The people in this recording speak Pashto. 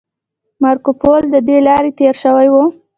مارکوپولو له دې لارې تیر شوی و